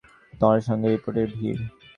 তার সঙ্গে রিপোর্টারদের ভিড়।